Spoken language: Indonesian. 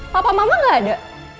papa mama gak ada